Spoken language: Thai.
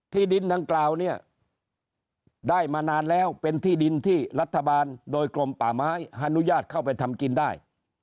ที่ดินดังกล่าวเนี่ยได้มานานแล้วเป็นที่ดินที่รัฐบาลโดยกรมป่าไม้อนุญาตเข้าไปทำกินได้